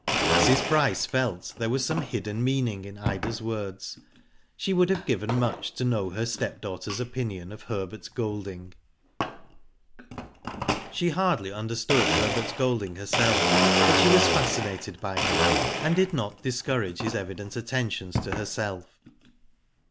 Mrs. Bryce felt there was some hidden meaning in Ida's words. She would have given much to know her stepdaughter^s opinion of Herbert Golding. She hardly understood Herbert Golding herself; but she was fascinated by him, and did not dis courage his evident attentions to herself.